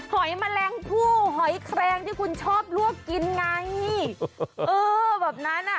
หอยมะแรงผู้หอยแครงที่คุณชอบลวกกินงานงี้เออแบบวันนั้นอ่ะ